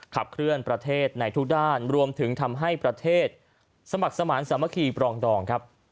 ขับเคลื่อนประเทศในทุกด้านรวมถึงทำให้ประเทศสมัครสมารรณศาสตร์มะครีปล่องดอง